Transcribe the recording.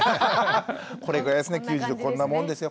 これぐらいですね９０度こんなもんですよ